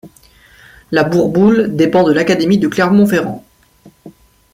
La Bourboule dépend de l'académie de Clermont-Ferrand.